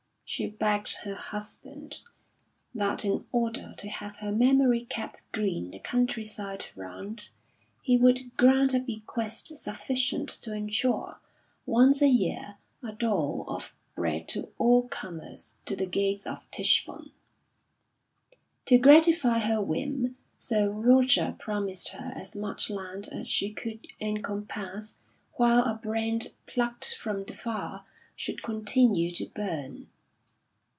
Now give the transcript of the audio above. She begged her husband, that in order to have her memory kept green the countryside round, he would grant a bequest sufficient to ensure, once a year, a dole of bread to all comers to the gates of Tichborne. To gratify her whim Sir Roger promised her as much land as she could encompass while a brand plucked from the fire should continue to burn.